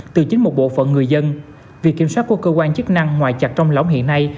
từ chính một bộ phận người dân việc kiểm soát của cơ quan chức năng ngoài chặt trong lõng hiện nay